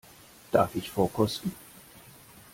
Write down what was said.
Darf ich vorkosten?